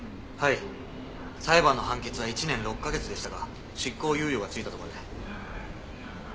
裁判の判決は１年６か月でしたが執行猶予がついたとかで。